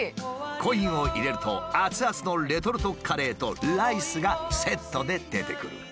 コインを入れると熱々のレトルトカレーとライスがセットで出てくる。